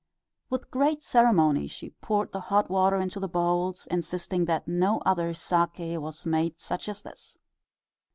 With great ceremony she poured the hot water into the bowls, insisting that no other sake was made such as this.